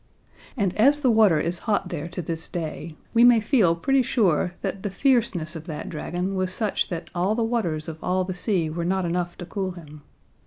And as the water is hot there to this day, we may feel pretty sure that the fierceness of that dragon was such that all the waters of all the sea were not enough to cool him.